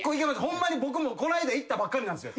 ホンマに僕もこの間いったばっかりなんすよ